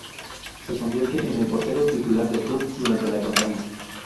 Se convierte en el portero titular del club durante la campaña.